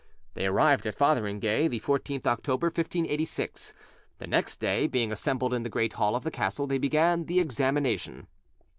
They arrived at Fotheringay the 14th October 1586; and next day, being assembled in the great hall of the castle, they began the examination.